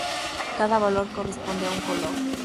Cada valor corresponde a un color.